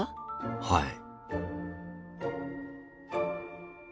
はい。